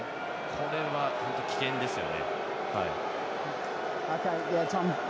これは本当に危険ですよね。